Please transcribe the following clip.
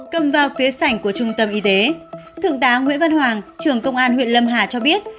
cầm vào phía sảnh của trung tâm y tế thượng tá nguyễn văn hoàng trưởng công an huyện lâm hà cho biết